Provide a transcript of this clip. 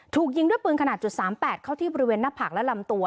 ถูกยิงด้วยปืนขนาด๓๘เข้าที่บริเวณหน้าผากและลำตัว